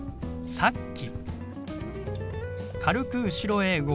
「さっき」。